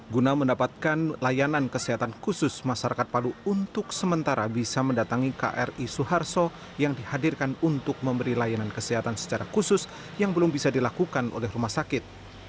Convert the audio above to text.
guna mendapatkan layanan kesehatan khusus masyarakat palu untuk sementara bisa mendatangi kri suharto yang dihadirkan untuk memberi layanan kesehatan secara khusus yang belum bisa dilakukan oleh rumah sakit